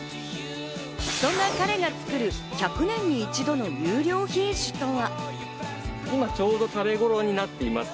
そんな彼が作る１００年に一度の優良品種とは？